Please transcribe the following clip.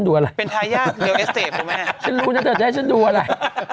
เดี๋ยวจะให้ฉันดูอะไร